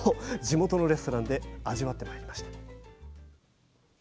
地元のレストランで味わってまいりました。